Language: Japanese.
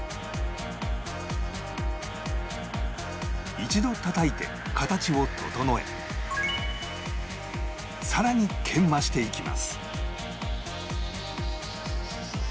一度たたいて形を整えさらに研磨していきます